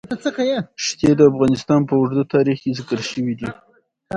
ښتې د افغانستان په اوږده تاریخ کې ذکر شوی دی.